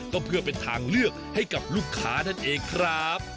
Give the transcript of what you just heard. ก็เพื่อเป็นทางเลือกให้กับลูกค้านั่นเองครับ